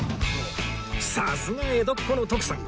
さすが江戸っ子の徳さん！